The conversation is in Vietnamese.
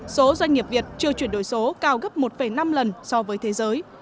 số doanh nghiệp việt chưa chuyển đổi số cao gấp một năm lần so với thế giới